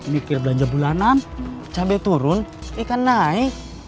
mikir belanja bulanan cabai turun ikan naik